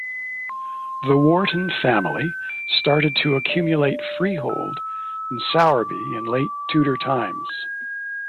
The Wharton family started to accumulate freehold in Sowerby in late Tudor times.